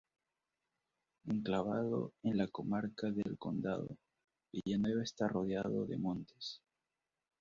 Enclavado en la Comarca del Condado, Villanueva está rodeado de montes.